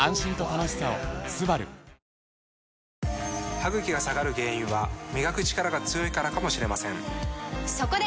歯ぐきが下がる原因は磨くチカラが強いからかもしれませんそこで！